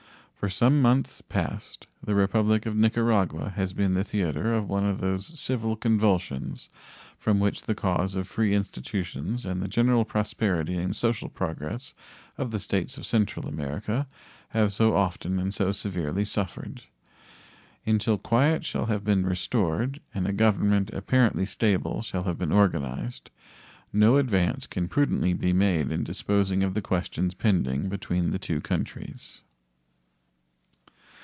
For some months past the Republic of Nicaragua has been the theater of one of those civil convulsions from which the cause of free institutions and the general prosperity and social progress of the States of Central America have so often and so severely suffered. Until quiet shall have been restored and a government apparently stable shall have been organized, no advance can prudently be made in disposing of the questions pending between the two countries.